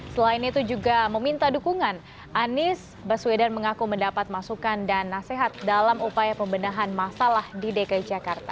selain itu juga meminta dukungan anies baswedan mengaku mendapat masukan dan nasihat dalam upaya pembenahan masalah di dki jakarta